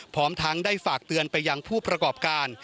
พร้อมทั้งได้ฝากเตือนไปยังผู้ประกอบการ